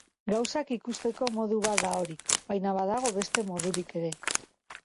Gauzak ikusteko modu bat da hori, baina badago beste modurik ere.